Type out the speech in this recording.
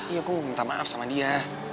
iya gue mau minta maaf sama dia